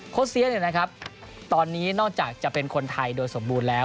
โค้ชเซียเนี่ยนะครับตอนนี้นอกจากจะเป็นคนไทยโดยสมบูรณ์แล้ว